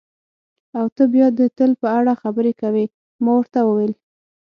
او ته بیا د تل په اړه خبرې کوې، ما ورته وویل.